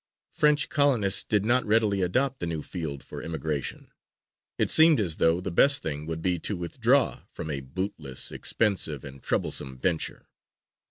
French colonists did not readily adopt the new field for emigration. It seemed as though the best thing would be to withdraw from a bootless, expensive, and troublesome venture.